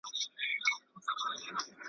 خو په هیڅ درمل یې سوده نه کېدله .